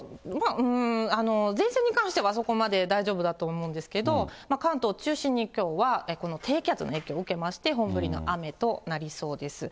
うーん、前線に関してはそこまで大丈夫だと思うんですけど、関東中心に、きょうはこの低気圧の影響を受けまして、本降りの雨となりそうです。